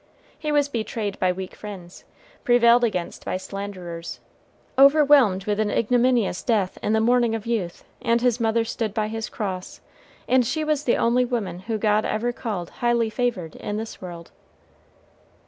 He was betrayed by weak friends, prevailed against by slanderers, overwhelmed with an ignominious death in the morning of youth, and his mother stood by his cross, and she was the only woman whom God ever called highly favored in this world.